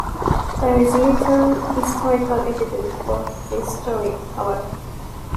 There is little historical evidence for this story, however.